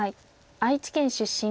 愛知県出身。